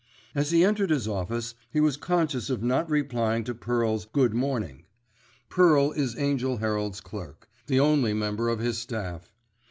As he entered his office, he was conscious of not replying to Pearl's "Good morning." Pearl is Angell Herald's clerk, the only member of his staff.